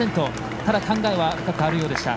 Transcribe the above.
ただ、考えは深くあるようでした。